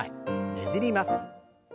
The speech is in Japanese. ねじります。